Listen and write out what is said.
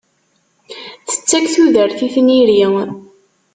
Tettak tudert i tniri.